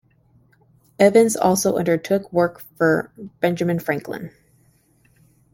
Evans also undertook work for Benjamin Franklin.